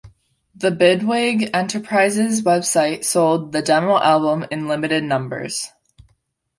The Bigwig Enterprises website sold the demo album in limited numbers.